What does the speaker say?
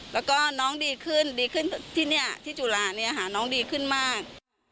แล้วก็น้องดีขึ้นที่จุฬานี่หาน้องดีขึ้นมาก